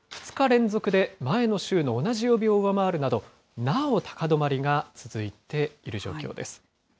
２日連続で前の週の同じ曜日を上回るなど、なお高止まりが続いている状況です。